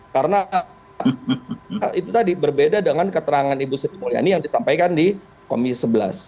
karena itu tadi berbeda dengan keterangan ibu siti mulyani yang disampaikan di komis sebelas